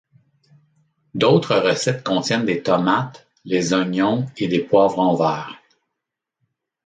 D'autres recettes contiennent des tomates, les oignons et des poivrons verts.